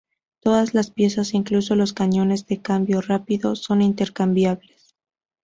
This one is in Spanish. Todas las piezas, incluso los cañones de cambio rápido, son intercambiables.